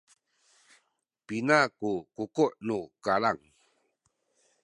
pina ku kuku’ nu kalang?